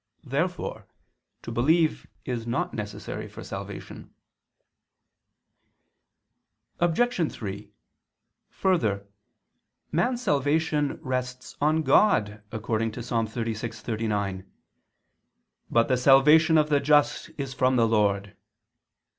Therefore to believe is not necessary for salvation. Obj. 3: Further, man's salvation rests on God, according to Ps. 36:39: "But the salvation of the just is from the Lord."